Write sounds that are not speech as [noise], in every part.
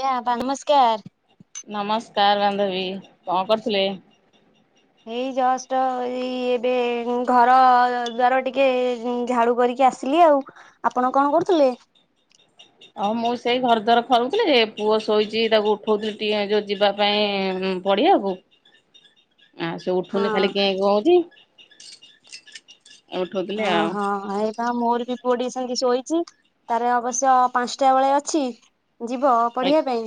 ଜ୍ଞା ନମସ୍କାର। ତାର ବାନ୍ଧବୀ କଣ କରୁଥିଲେ? ଏଇ ଜଷ୍ଟ ଏ ଏବେ ଘର ଦ୍ୱାର ଟିକେ ଝାଡୁ କରିକି ଆସିଲି ଆଉ। ଆପଣ କଣ କରୁଥିଲେ? ଆଉ ମୁଁ ସେଇ ଘର ଦ୍ୱାର ରୁଥିଲେ ଯେ ପୁଅ ଶୋଇଛି ତାକୁ ଉଠଉଥିଲି ଟିକେ ଯୋଉ ଯିବା ପାଇଁ ପଡ଼ିବା ଆ ସେ ହଁ ଉଠୁନି ଖାଲି କେଁ କେଁ ହଉଛି। ଉଠଉଥିଲି ହଁ ଆଉ। ହଁ ଏ ବା ମୋର ବି ପୁଅ ଟି ସେମିତି ଶୋଇଛି ତାର ଅବଶ୍ୟ ପାଞ୍ଚଟା ବେଳେ ଅଛି ଯିବ ପଢିବା ପାଇଁ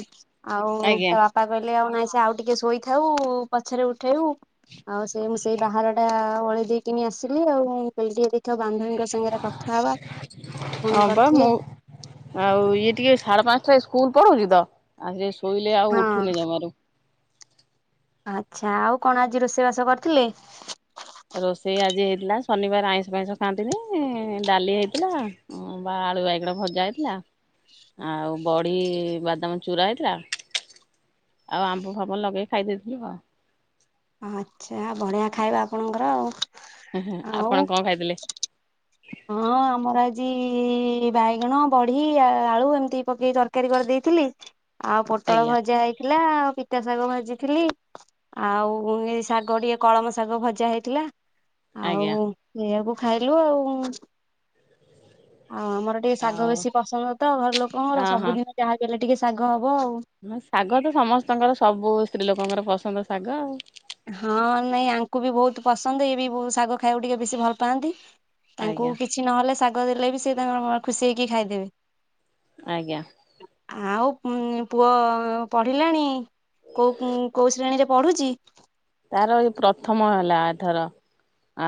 ଆଉ ଆଜ୍ଞା ତା ବାପା କହିଲେ ଆଉ ନାଇଁ ଆଉ ଟିକେ ଶୋଇଥାଉ ପଛରେ ଉଠେଇବୁ ଆଉ ସେ ମୁଁ ସେଇ ବାହାର ଟା ଓଲେଇ ଦେଇକିନି ଆସିଲି ଆଉ ତ ବାନ୍ଧବୀଙ୍କ ସାଙ୍ଗରେ କଥା ହବା। ହଁ ଫୋନ ବା କରିଥିଲେ। ମୁଁ ଆଉ ଇଏ ଟିକେ ସାଢେ ପାଞ୍ଚଟା ସ୍କୁଲ ପଢଉଛି ତ ଆଜେ ଶୋଇଲେ ଆଉ ଉଠୁନି ହଁ ଜମାରୁ। ଆଚ୍ଛା ଆଉ କଣ ଆଜି ରୋଷେଇ ବାସ କରିଥିଲେ? ରୋଷେଇ ଆଜି ହେଇଥିଲା ଶନିବାର ଆଇଁଷ ଫାଇଁଷ ଖାଆନ୍ତିନି ଡାଲି ହେଇଥିଲା ବା ଆାଳୁ ବାଇଗଣ ଭଜା ହେଇଥିଲା ଆଉ ବଡ଼ି ବାଦାମ ଚୂୁରା ହେଇଥିଲା ଆଉ ଆମ୍ବ ଫାମ୍ବ ଲଗେଇ ଖାଇ ଦେଇଥିଲୁ ଆଉ। ଆଚ୍ଛା ବଢିଆ ଖାଇବା ଆପଣଙ୍କର ଆଉ। ଆଉ ଆପଣ କଣ ଖାଇଥିଲେ? ଇ ବାଇଗଣ ବଢି ଆଳୁ ଏମିତି ପକେଇ ତରକାରୀ କରିଦେଇଥିଲି ଆଉ ପୋଟଳ ଆଜ୍ଞା ଭଜା ହେଇଥିଲା ଆଉ ପିତା ଶାଗ ଭାଜିଥିଲି ଆଉ ଏ ଶାଗ ଟିକେ କଳମ ଶାଗ ଭଜା ହେଇଥିଲା ଆଜ୍ଞା ଆଉ ସେଇଆକୁ ଖାଇଲୁ ଆଉ। ଆଉ ଆମର ଟିକେ ଶାଗ ଆଉ ବେଶୀ ପସନ୍ଦ ତ ଘର ଲୋକଙ୍କର ହଁ ହଁ। ସବୁଦିନ ଯାହା ବି ହେଲେ ଟିକେ ଶାଗ ହବ। ଆଉ। ଶାଗ ତ ସମସ୍ତଙ୍କର ସବୁ ସ୍ତ୍ରୀ ଲୋକଙ୍କର ପସନ୍ଦ ଶାଗ। ହଁ ନାଇଁ ଆଙ୍କୁ ବି ବହୁତ ପସନ୍ଦ ଇଏ ବି ଶାଗ ଖାଇବାକୁ ଟିକେ ବେଶୀ ଭଲ ପାଆନ୍ତି। ତାଙ୍କୁ ଆଜ୍ଞା। କିଛି ନହେଲେ ଶାଗ ଦେଲେ ବି ସେ ତାଙ୍କର ଖୁସି ହେଇକି ଖାଇଦେବେ। ଆଜ୍ଞା। ଆଉ ପୁଅ ପଢିଲାଣି? କୋଉ କୋଉ ଶ୍ରେଣୀରେ ପଢୁଛି? ତାର ଏ ପ୍ରଥମ ହେଲା ଏଥର।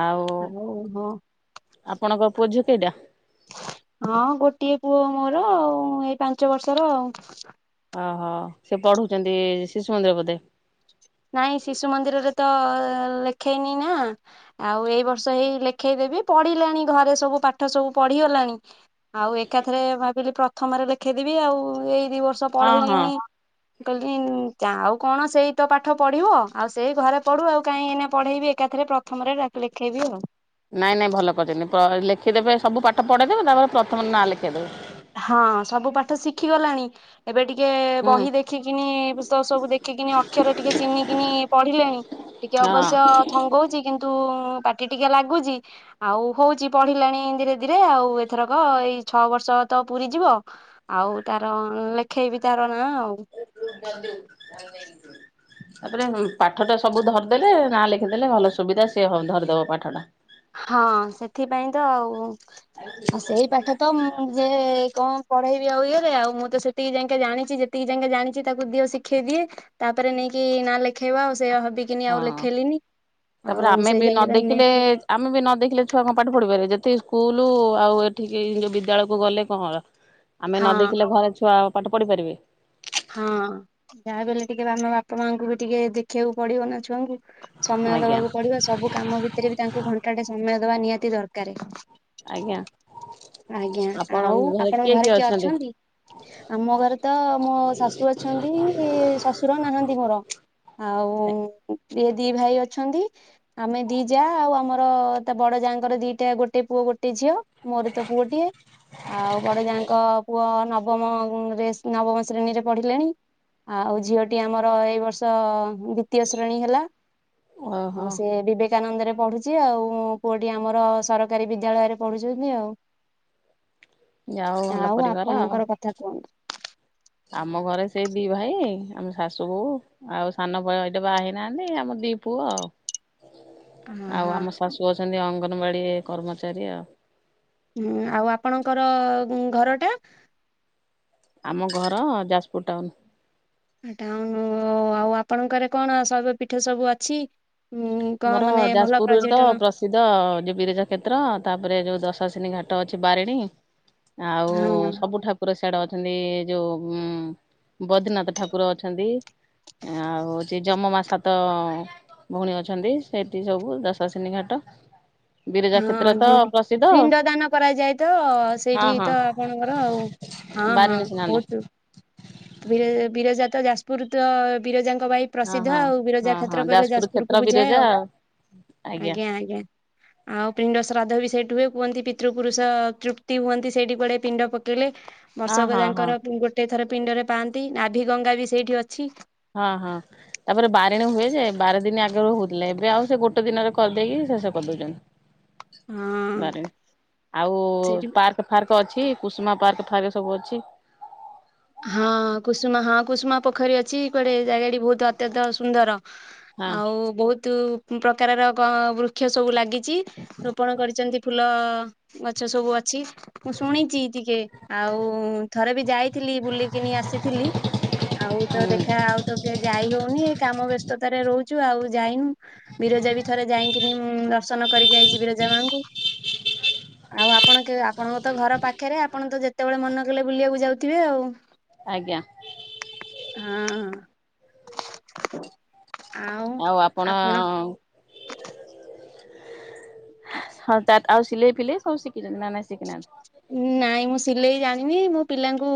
ଆଉ ଓହୋ ଆପଣଙ୍କ ପୁଅଝିଅ କେଇଟା? ହଁ ଗୋଟିଏ ପୁଅ ମୋର ଆଉ ଏଇ ପାଞ୍ଚ ବର୍ଷର ଆଉ। ଓହୋ ସେ ପଢୁଛନ୍ତି ଶିଶୁ ମନ୍ଦିର ବୋଧେ? ନାଇଁ ଶିଶୁ ମନ୍ଦିରରେ ତ ଲେଖେଇନି ନା ଆଉ ଏଇ ବର୍ଷ ହେଇ ଲେଖେଇଦେବି ପଢିଲାଣି ଘରେ ସବୁ ପାଠ ସବୁ ପଢ ଲାଣି ଆଉ ଏକାଥରେ ଭାବିଲି ପ୍ରଥମରେ ଲେଖେଇଦବି ଆଉ ଏଇ ଦି ବର୍ଷ ହଁ ହଁ। ପଢେଇଲିନି କହିଲି ଆଉ କଣ ସେଇ ତ ପାଠ ପାଠ ପଢିବ ଆଉ ସେଇ ଘରେ ପଢୁ ଆଉ କାହିଁ ଏଇନା ପଢେଇବି ଏକାଥରେ ପ୍ରଥମରେ ଲେଖେଇବି ଆଉ। ନାଇଁ ନାଇଁ ଭଲ କରିଛନ୍ତି ଲେଖିଦେବେ ସବୁ ପାଠ ପଢେଇଦେବେ ତାପରେ ପ୍ରଥମରେ ନାଁ ଲେଖେଇଦେବେ। ହଁ ସବୁ ପାଠ ଶିଖି ଗଲାଣି ଏବେ ଟିକେ ହୁଁ ବହି ଦେଖିକିନି ବିଷୟ ସବୁ ଦେଖିକିନି ଅକ୍ଷର ଟିକେ ଚିହ୍ନିକିନି ପଢିଲେଣି ଟିକେ ଅବଶ୍ୟ ହଁ। ଥଙ୍ଗଉଛି କିନ୍ତୁ ପାଟି ଟିକେ ଲାଗୁଛି ଆଉ ହଉଛି ପଢିଲାଣି ଧୀରେ ଧୀରେ ଆଉ ଏଥରକ ଏଇ ଛଅ ବର୍ଷ ତ ପୁରୀ ଯିବ ଆଉ ତାର ଲେଖେଇବି ତାର ନାଁ ଆଉ [unintelligible] ତାପରେ ପାଠ ତ ସବୁ ଧରିଦେଲେ ନା ଲେଖିଦେଲେ ଭଲ ସୁବିଧା ସେ ଧରିଦବ ପାଠ ଟା। ହଁ ସେଥିପାଇଁ ତ ଆଉ। ଆଉ ସେଇ ପାଠ ତ ମୁଁ ଯେ କଣ ପଢେଇବି ଆଉ ଇଏରେ ଆଉ ମୁଁ ତ ସେତିକି ଯାଙ୍କେ ଜାଣିଛି ଯେତିକି ଯାଙ୍କେ ଜାଣିଛି ତାକୁ ଦିଅ ଶିଖେଇ ଦିଏ ତାପରେ ନେଇକି କି ନା ଲେଖେଇବା ଆଉ ସେୟା ଭାବିକିନି ଆଉ ହଁ। ଲେଖେଇଲିନି। ତାପରେ ଆଉ ଆମେ ବି ସେଇ ନ ଯାଙ୍କେ ତ ନେ ଦେଖିଲେ ଆମେ ବି ନ ଦେଖିଲେ ଛୁଆ କଣ ପାଠ ପଢିପାରିବେ। ଯେତିକି ସ୍କୁଲୁ ଆଉ ଏଠିକି ଯୋଉ ବିଦ୍ୟାଳୟକୁ ଗଲେ କଣ ହେଲା। ଆମେ ନ ହଁ ଦେଖିଲେ ଘରେ ଛୁଆ ପାଠ ପଢିପାରିବେ। ହଁ ଯାହା ବି ହେଲେ ଟିକେ ଆମ ବାପା ମାଆଙ୍କୁ ବି ଟିକେ ଦେଖିବାକୁ ପଡିବ ନା ଛୁଆଙ୍କୁ। ସମୟ ଆଜ୍ଞା ଦବାକୁ ପଡିବ। ସବୁ କାମ ଭିତରେ ବି ତାଙ୍କୁ ଘଣ୍ଟାଟେ ସମୟ ଦବା ନିହାତି ଦରକାରେ। ଆଜ୍ଞା। ଆଜ୍ଞା ଆଉ ଆପଣଙ୍କ ଘରେ କିଏ ଅଛନ୍ତି। ଆମ ଘରେ ତ ମୋ ଶାଶୁ ଅଛନ୍ତି ଶଶୁର ନାହାଁନ୍ତି ମୋର। ଆଉ ଇଏ ଦି ଭାଇ ଅଛନ୍ତି। ଆମେ ଦି ଯା ଆଉ ଆମର ତା ବଡ ଯାଙ୍କର ଦିଟା ଗୋଟେ ପୁଅ। ଗୋଟଏ ଝିଅ। ମୋର ତ ପୁଅଟିଏ। ଆଉ ବଡ ଯାଙ୍କ ପୁଅ ନ ବମରେ ନବମ ଶ୍ରେଣୀରେ ପଢିଲେଣି। ଆଉ ଝିଅଟି ଆମର ଏଇ ବର୍ଷ ଦ୍ଵିତୀୟ ଶ୍ରେଣୀ ହେଲା। ଓହୋ ହଁ ସେ ବିିବେକ୍ କାନନ୍ଦରେ ପଢୁଛି। ଆଉ ପୁଅଟି ଆମର ସରକାରୀ ବିଦ୍ୟାଳୟରେ ପଢୁଛନ୍ତି ଆଉ। ଯା ହଉ ଭଲ ଆଉ ପରିବାର ଆଉ। ଆପଣଙ୍କର କଥା କୁହନ୍ତୁ? ଆମ ଘରେ ସେଇ ଦି ଭାଇ ଆମ ଶାଶୁ ବୋହୁ ଆଉ ସାନ ଭାଇ ଟା ବାହା ହେଇନାହାନ୍ତି ଆମ ଦି ପୁଅ ଆଉ। ହଁ ଆଉ ହଁ। ଆମ ଶାଶୁ ଅଛନ୍ତି ଅଙ୍ଗନବାଡି କର୍ମଚାରୀ ଆଉ। ହୁଁ ଆଉ ଆପଣଙ୍କର ଘର ଟା। ଆମ ଘର ଯାଜପୁର ଟାଉନ୍। ଟାଉନ୍ ଆଉ ଆପଣଙ୍କରେ କଣ ଶୈବ ପୀଠ ସବୁ ଅଛି? ଉଁ କଣ ଆମର ମାନେ ଭଲ ଯାଜପୁରରେ ତ ପର୍ଯ୍ୟଟନ ପ୍ରସିଦ୍ଧ ଯୋଉ ବିରଜା କ୍ଷେତ୍ର। ତାପରେ ଯୋଉ ଦଶ ଶିନୀ ଘାଟ ଅଛି ବାରିଣୀ। ଆଉ ହଁ ସବୁ ଠାକୁର ଆଡ ଅଛନ୍ତି ଯୋଉ ଉ ବଦ୍ରିନାଥ ଠାକୁର ଅଛନ୍ତି। ଆଉ ସେ ଯମ ମା ସାତ ଭଉଣୀ ଅଛନ୍ତି। ସେଠି ସବୁ ଦଶସିିନି ଘାଟ। ବିରଜା କ୍ଷେତ୍ର ହଁ ତ ଯଉଠି ପ୍ରସିଦ୍ଧ ପିଣ୍ଡ ଦାନ କରାଯାଏ ତ ହଁ ସେଇଠି ହଁ ତ ଆପଣଙ୍କର ଆଉ। ହଁ ହଁ ବାରିଣୀ ସ୍ନାନ ବହୁତୁ ବର ବିରଜା ତ ଯାଜପୁର ତ ବିରଜା ଙ୍କ ପାଇଁ ହଁ ପ୍ରସିଦ୍ଧ ହଁ ଆଉ। ବିରଜା ହଁ ହଁ କ୍ଷେତ୍ର କହିଲେ ଯାଜପୁର କ୍ଷେତ୍ର ଯାଜପୁରକୁ ବୁଝାଏ ବିରଜା ଆଉ। ଆଜ୍ଞା ଆଜ୍ଞା। ଆଉ ପିଣ୍ଡ ଶ୍ରାଦ୍ଧ ବି ସେଠି ହୁଏ। କୁହନ୍ତି ପିତୃପୁରୁଷ ତୃପ୍ତି ହୁଅନ୍ତି। ସେଇଠି କୁଆଡେ ପିଣ୍ଡ ପକେଇଲେ। ହଁ ବର୍ଷକ ହଁ ହଁ ଯାଙ୍କର ଗୋଟେ ଥର ପିଣ୍ଡରେ ପାଆନ୍ତି। ନାଭି ଗଙ୍ଗା ବି ସେଇଠି ଅ ହଁ ହଁ ତାପରେ ବାରିଣୀ ହୁଏ ଯେ ବାର ଦିନ ଆଗରୁ ହଉଥିଲେ। ଏବେ ଆଉ ସେ ଗୋଟେ ଦିନରେ କରିିଦେଇକି ଶେଷ କରିଦେଉଛନ୍ତି ହଁ ବାରିଣୀ। ଆଉ ସେଇଠି ପାର୍କ ଫାର୍କ ଅଛି କୁସୁମା ପାର୍କ ଫାର୍କ ସବୁ ଅଛି। ହଁ କୁସୁମା ହଁ କୁସୁମା ପୋଖରୀ ଅଛି। କୁଆଡେ ଜାଗାଟି ବହୁତ ଅତ୍ୟନ୍ତ ସୁନ୍ଦର। ହଁ ଆଉ ବହୁତୁ ପ୍ରକାରର କ ବୃକ୍ଷ ସବୁ ଲାଗି ଚି ରୋପଣ କରିଛନ୍ତି। ଫୁଲ ଗଛ ସବୁ ଅଛି। ମୁଁ ଶୁଣିଛି ଟିକେ। ଆଉ ଥରେ ବି ଯାଇ ଥିଲି ବୁଲିକିନି ଆସିଥିଲି। ଆଉ ତ ହୁଁ ଦେଖା ଆଉ ତ କି ଯାଇ ହଉନି। କାମ ବ୍ୟସ୍ତତାରେ ରହୁଛୁ ଆଉ ଯାଇନୁ। ବିରଜା ବି ଥରେ ଯାଇକିନି ଦର୍ଶନ କରିକି ଆଇଚି ବୀରଜା ମାଙ୍କୁ। ଆଉ ଆପଣ କେ ଆପଣଙ୍କ ତ ଘର ପାଖେରେ ଆପଣ ତ ଯେତେବେଳେ ମନେ କଲେ ବୁଲିବାକୁ ଯାଉ ଥିବେ ଆଉ ଆଜ୍ଞା ହଁ ହଁ। [inaudible] ଆଉ ଆପଣ ଅ ଆଉ। ହଁ ତ ଆଉ ସିଲେଇ ଫିଲେଇ ସବୁ ଶିଖିଛନ୍ତି। ନା ନାଇଁ ସିକି ନାହାନ୍ତି। ନାଇଁ ମୁଁ ସିଲେଇ ଜାଣିନି। ମୁଁ ପିଲାଙ୍କୁ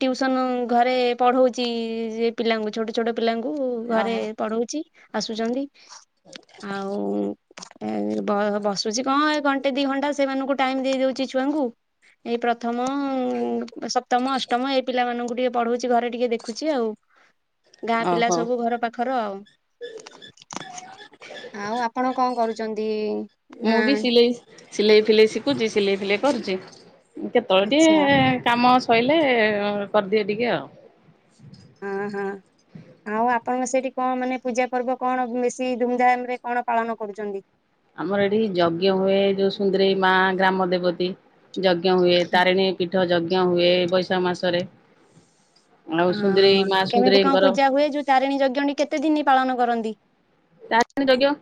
ଟ୍ୟୁସନ ଘରେ ପଢଉଛି। ସେ ପିଲାଙ୍କୁ ଛୋଟ ଛୋଟ ପିଲାଙ୍କୁ ଘରେ ଓହୋ ପଢଉଛି ଆସୁଛନ୍ତି। ଆଉ ବ ବସୁଛି କଣ ଏ ଘଣ୍ଟେ ଦି ଘଣ୍ଟା ସେମାନଙ୍କୁ ଟାଇମ୍ ଦେଇ ଦଉଛି ଛୁଆଙ୍କୁ। ଏଇ ପ୍ର ପ୍ରଥମ ସପ୍ତମ ଅଷ୍ଟମ ଏ ପିଲାମାନଙ୍କୁ ଟିକେ ପଢଉଛି ଘରେ ଟିକେ ଦେଖୁଛି ଆଉ। ଗାଁ ପିଲା ଓହୋ। ସବୁ ଘର ପାଖର ଆଉ। ଆଉ ଆପଣ କଣ କରୁଛନ୍ତି ନା ମୁଁ ବି ସିଲେଇ ସିଲେଇ ଫିଲେଇ ଶିଖୁଛି ସିଲେଇ ଫିଲେଇ କରୁଛି। କେତେବେଳେ ଆଚ୍ଛା ଟିକେ କାମ ସରିଲେ କରିଦିଏ ଟିକେ ଆଉ। ହଁ ହଁ। ଆଉ ଆପଣଙ୍କ ସେଇଠି କଣ ମାନେ ପୂଜା ପର୍ବ କଣ ବେଶୀ ଧୁମଧାମ ରେ କଣ ପାଳନ କରୁଛନ୍ତି? ଆମର ଏଠି ଯଜ୍ଞ ହୁଏ ଯୋଉ ସୁନ୍ଦରେଇ ମା ଗ୍ରାମ ଦେବତୀ ଯଜ୍ଞ ହୁଏ, ତାରିଣୀ ପୀଠ ଯଜ୍ଞ ହୁଏ ଏ ବୈଶାଖ ମାସରେ। ଆଉ ସୁନ୍ଦରେଇ ଓହୋ ମା କେମିତି କଣ ସୁନ୍ଦରେଇଙ୍କର ପୂଜା ହୁଏ ଯୋଉ ତାରିଣୀ ଯଜ୍ଞଣୀ କେତେ ଦିନ ପାଳନ କରନ୍ତି। ଚା ଯୋଗଓ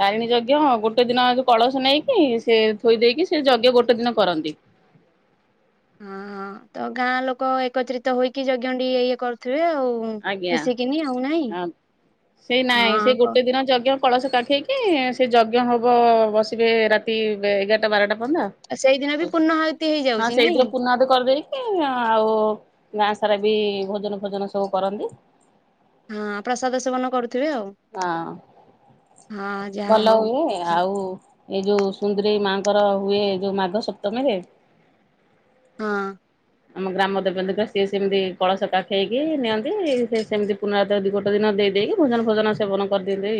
ତାରିଣୀ ଯଜ୍ଞ ଗୋଟେ ଦିନ କଳସ ନେଇକି ସେ ଥୋଇ ଦେଇକି ସେ ଯଜ୍ଞ ଗୋଟେ ଦିନ କରନ୍ତି। [inaudible] ହଁ ହଁ ତ ଗାଁ ଲୋକ ଏକତ୍ରିତ ହେଇକି ଜଜ୍ଞ ଇଏ କରୁଥିବେ ଆଉ। ଆଜ୍ଞା ମିଶିକିନି ଆଉ ନାଇଁ ସେଇ ନାଇଁ ସେ ହଁ କ ଗୋଟେ ଦିନ ଯଗ କଳସ କାଖେଇକି ସେ ଯଜ୍ଞ ହେବ ବସିବେ ରାତି ଏଗାରଟା ବାରଟା ହଁ ସେଇଦିନ ବି ପୂର୍ଣ୍ଣ ଆହୁତି ହେଇଯାଉଛି ନାଇଁ? ସେଇଥିରେ ପୁନା ଆହୁତୀ କରିଦେଇକି ଆଉ ଗାଁ ସାରା ବି ଭୋଜନ ଫୋଜନ ସବୁ କରନ୍ତି। ହଁ ପ୍ରସାଦ ସେବନ କରୁ ହଁ ହଁ ଯାହା ଭଲ ହଉ ହୁଏ ଆଉ ଏଇ ଯୋଉ ସୁନ୍ଦରୀ ମାଙ୍କର ହୁଏ ଯୋଉ ମାଘ ସପ୍ତମୀରେ ହଁ। ଆମ ଗ୍ରାମ ଦେବ ଦୀଙ୍କ ସିଏ ସେମିତି କଳସକାା ଖେଇକି ନିଅନ୍ତି ସେ ସେମିତି ପୁନରା ଦି ଗୋଟ ଦିନ ଦ ଦେଇକି ଭୋଜନ ଫୋଜନ ସେବନ କରିଦିନ୍ତି।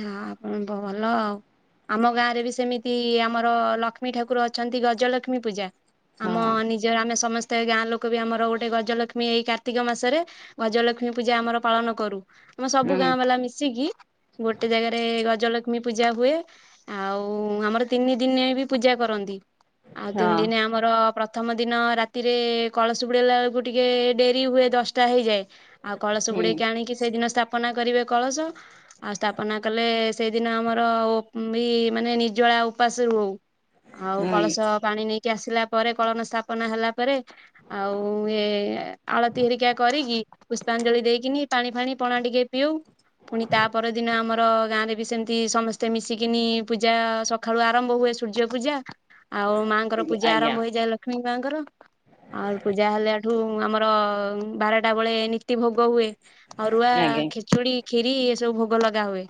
ହ ଆପଣ ଭଲ ଆଉ। ଆମ ଗାଁ ରେ ବି ସେମିତି ଆମର ଲକ୍ଷ୍ମୀ ଠାକୁର ଅଛନ୍ତି ଗଜଲକ୍ଷ୍ମୀ ପୂଜା ଆମ ହଁ ନିଜର ଆମେ ସମସ୍ତେ େ ଗାଁ ଲୋକ ବି ଆମର ଗୋଟେ ଗଜଲକ୍ଷ୍ମୀ ଏଇ କାର୍ତ୍ତିକ ମାସରେ ଗଜଲକ୍ଷ୍ମୀ ପୂଜା ଆମର ପାଳନ କରୁ। ଆମ ସବୁ ହୁଁ ଗାଁ ବାଲା ମିଶିକି ଗୋଟେ ଜାଗାରେ ଗଜଲକ୍ଷ୍ମୀ ପୂଜା ହୁଏ ଆଉ ଆମର ତିନି ଦିନ ବି ପୂଜା କରନ୍ତି। ଆଉ ହଁ ତିନି ଦିନ ଆମର ପ୍ରଥମ ଦିନ ରାତିରେ କଳସ ବୁଡ଼ାଇଲା ବେଳକୁ ଟିକଏ ଡେରି ହୁଏ ଦଶଟା ହେଇଯାଏ। ଆଉ କଳସ ହୁଁ ବୁଡେଇକି ଆଣିକି ସେଇଦିନ ସ୍ଥାପନା କରିବେ କଳସ ଆଉ ସ୍ଥାପନା କଲେ ସେଇଦିନ ଆମର ବି ମାନେ ନିର୍ଜଳା ଉପାସ ର ଆଉ। ଆଉ ହୁଁ କଳସ ପାଣି ନେଇକି ଆସିଲା ପରେ କଳନ ସ୍ଥାପନ ହେଲା ପରେ ଆଉ ଏ ଆଳତି ହେରିକା କରିକି ପୁଷ୍ପାଞ୍ଜଳି ଦେଇକିନି ପାଣି ଫାଣି ପଣା ଟିକେ ପିଉ ପୁଣି ତା ପରଦିନ ଆମର ଗାଁରେ ବି ସେମିତି ସମସ୍ତେ ମିଶିକିନି ପୂଜା ସକାଳୁ ଆରମ୍ଭ ହୁଏ ସୂର୍ଯ୍ୟ ପୂଜା ଆଉ ମାଆଙ୍କର ପୂଜା ଆଜ୍ଞା ଆରମ୍ଭ ହେଇଯାଏ ଲକ୍ଷ୍ମୀ ଙ୍କର ଆଉ ପୂଜା ହେଲେ ଏଠୁ ଆମର ବାରଟା ବେଳେ ନି ତି ଭୋଗ ହୁଏ ଆଉ ରୁଆ ଆଜ୍ଞା ଖେଚୁଡି ଖ୍ିୀରି ଏସବୁ ଭୋଗ ଲଗା ହୁଏ।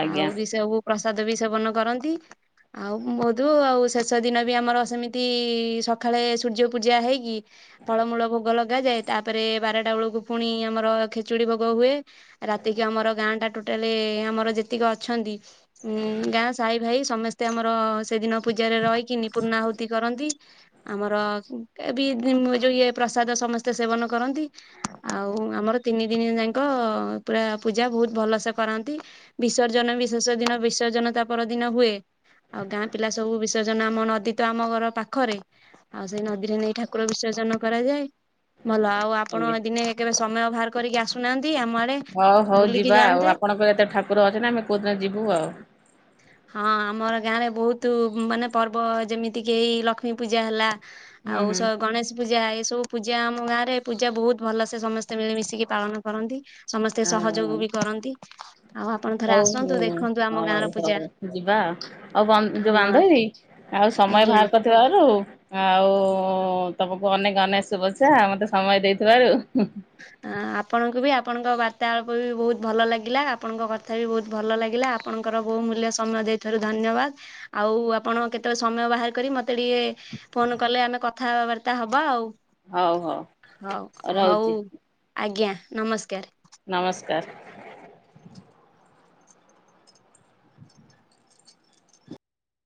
ଆଜ୍ଞା ଆଉ ବି ସବୁ ପ୍ରସାଦ ବି ସେବନ କରନ୍ତି। ଆଉ ବୋହୁତୁ ଆଉ ଶେଷ ଦିନ ବି ଆମର ସେମିତି ସକାଳେ ସୂର୍ଯ୍ୟ ପୂଜା ହେଇକି ଫଳମୂଳ ଭୋଗ ଲଗାାଯାଏ ତାପରେ ବାରଟା ବେଳକୁ ପୁଣି ଆମର ଖେଚୁଡି ଭୋଗ ହୁଏ। ରାତିକି ଆମର ଗାଁ ଟା ୋଟ ଆମର ଯେତିକି ଅଛନ୍ତି ଗାଁ ସାାଇ ଭାଇ ସମସ୍ତେ ଆମର ସେଦିନ ପୂଜାରେ ରହିକି ନିପୁର୍ଣା ହଉତି କରନ୍ତି ଆମର ଏ ଯଉ ଇଏ ପ୍ରସାଦ ସମସ୍ତେ ସେବନ କରନ୍ତି ଆଉ ଆମର ତିନି ଦିନି ଯାକ ପୁରା ପୂଜା ବହୁତ ଭଲସେ କରନ୍ତି ବିସର୍ଜନ ବିଶେଷ ଦିନ ବିସର୍ଜନ ତା ପର ଦିନ ହୁଏ। ଆଉ ଗାଁ ପିଲା ସବୁ ବିସର୍ଜନ ଆମ ନଦୀ ତ ଆମ ଘର ପାଖରେ ଆଉ ସେଇ ନଦୀରେ ନେଇ ଠାକୁର ବିସର୍ଜନ କରାଯାଏ ଭଲ ଆଉ ଆପଣ ଆଜ୍ଞା ଦିନେ କେବେ ସମୟ ବାହାର କରିକି ଆସୁନାହାନ୍ତି। ଆମ ଆଡେ ହୋଉ ହୋଉ ବୁଲିକି ଯିବା ଆଉ ଯାଆନ୍ତେ। ଆପଣଙ୍କର ଏତେ ଠାକୁର ଅଛି ନା ଆମେ କୋଉଦିନ ଯିବୁ ଆଉ। ହଁ ଆମର ଗାଁ ରେ ବହୁତୁ ମାନେ ପର୍ବ ଯେମିତି କି ଏଇ ଲକ୍ଷ୍ମୀ ପୂଜା ହେଲା ହୁଁ ଆଉ ହୁଁ ସ ଗଣେଶ୍ ପୂଜା ଏ ସବୁ ପୂଜା ଆମ ଗାଁ ରେ ପୂଜା ବହୁତ ଭଲସେ ସମସ୍ତେ ମିଳିମିଶିକି ପାଳନ କରନ୍ତି। ସମସ୍ତେ ସହଯୋଗ ଆଉ ବି କରନ୍ତି ଆଉ ଆପଣ ଥରେ ହଉ ହୁଁ ଆସନ୍ତୁ ଦେଖନ୍ତୁ ଆମ ହଉ ଗାଁ ର ହଉ ଯିବା ଆଉ ବନ୍ ଯୋଉ ବାନ୍ଧବି ଆଉ ସମୟ ଆଜ୍ଞା। ବାହାର କରିଥିବାରୁ ଆ ଆଉ ତମକୁ ଅନେକ ଅନେକ ଶୁଭେଚ୍ଛା ମତେ ସମୟ ଦେଇଥିବାରୁ। ଆପଣଙ୍କୁ ବି ଆପଣଙ୍କ ବାର୍ତ୍ତାଳାପ ବି ବହୁତ ଭଲ ଲାଗିଲା ଆପଣଙ୍କ କଥା ବି ବହୁତ ଭଲ ଲାଗିଲା ଆପଣ ଙ୍କର ବହୁ ମୂଲ୍ୟ ସମୟ ଦେଇଥିବାରୁ ଧନ୍ୟବାଦ। ଆଉ ଆପଣ କେତେବେଳେ ସମୟ ବାହାର କରି ମତେ ଟିକେ କ ଫୋନ କଲେ ଆମେ କଥାବାର୍ତ୍ତା ହବା ଆଉ ହଉ ହଉ ହଉ ହଉ ରହୁଛି ଆଜ୍ଞା ନମସ୍କାର। ନମସ୍କାର।